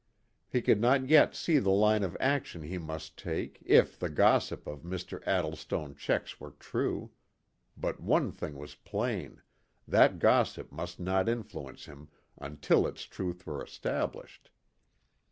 He could not yet see the line of action he must take if the gossip of Mr. Addlestone Checks were true. But one thing was plain, that gossip must not influence him until its truth were established.